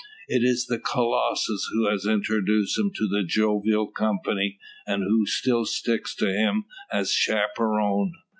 It is the Colossus who has introduced him to the jovial company, and who still sticks to him as chaperon.